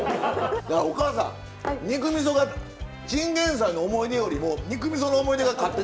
おかあさん肉みそがチンゲンサイの思い出よりも肉みその思い出が勝って。